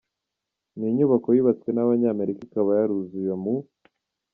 Ni inyubako yubatswe n’Abanyamerika ikaba yaruzuye mu .